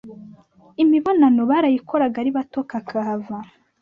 imibonano barayikoraga ari bato kakahava